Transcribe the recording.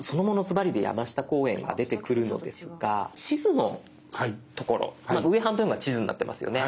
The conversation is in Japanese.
ズバリで山下公園が出てくるのですが地図の所上半分が地図になってますよね。